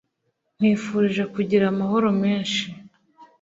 Nkwifurije kugira amahoro menshi